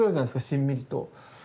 しんみりと。